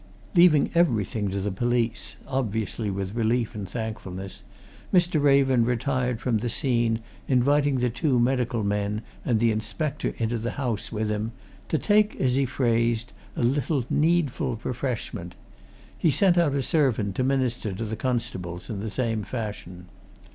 Leaving everything to the police obviously with relief and thankfulness Mr. Raven retired from the scene, inviting the two medical men and the inspector into the house with him, to take, as he phrased, a little needful refreshment; he sent out a servant to minister to the constables in the same fashion.